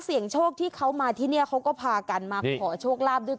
อีกสิมันยังไม่พอ